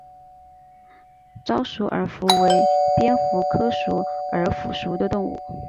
沼鼠耳蝠为蝙蝠科鼠耳蝠属的动物。